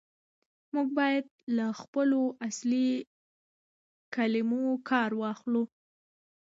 موږ بايد له خپلو اصلي کلمو کار واخلو.